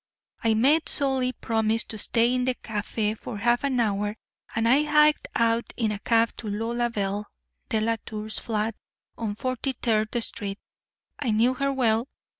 "I made Solly promise to stay in the café for half an hour and I hiked out in a cab to Lolabelle Delatour's flat on Forty third Street. I knew her well.